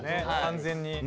完全に。